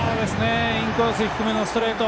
インコース低めのストレート。